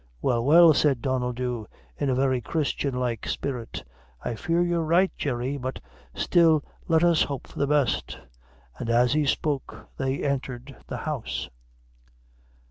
"Well, well," said Donnel Dhu, in a very Christian like spirit, "I fear you're right, Jerry; but still let us hope for the best." And as he spoke, they entered the house.